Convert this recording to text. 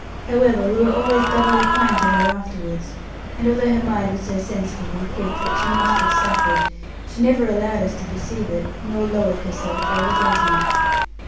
However, we were always doubly kind to her afterwards; and although her mind was so sensitive and quick that she must have suffered, she never allowed us to perceive it, nor lowered herself by resenting it.